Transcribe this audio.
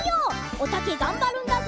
おたけがんばるんだぞ。